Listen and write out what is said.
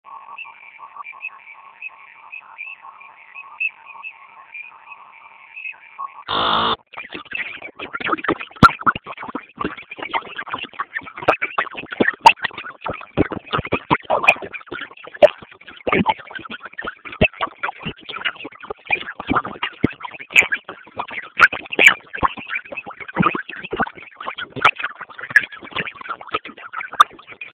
“Ghasia hizo bado zinakumbukwa na Wakenya wengi katika fikra zao"